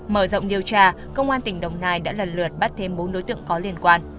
mở rộng điều tra công an tỉnh đồng nai đã lần lượt bắt thêm bốn đối tượng có liên quan